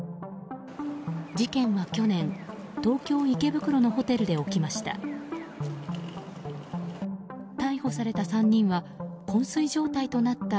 事件は去年東京・池袋のホテルで起きました。